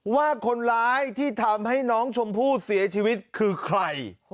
ว่าคนร้ายที่ทำให้น้องชมพู่เสียชีวิตคือใคร